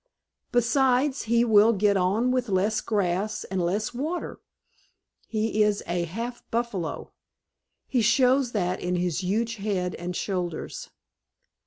Besides, he will get on with less grass and less water. He is a half buffalo he shows that in his huge head and shoulders.